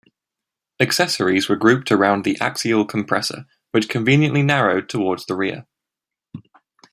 Accessories were grouped around the axial compressor which conveniently narrowed towards the rear.